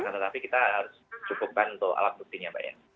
tetapi kita harus cukupkan untuk alat buktinya mbak ya